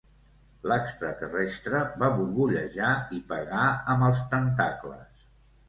L'extraterrestre va borbollejar i pegar amb els tentacles.